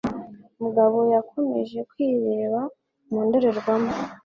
Mugabo yakomeje kwireba mu ndorerwamo.